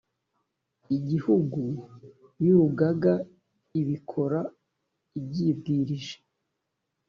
igihugu y urugaga ibikora ibyibwirije